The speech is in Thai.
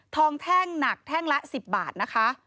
แท่งหนักแท่งละ๑๐บาทนะคะ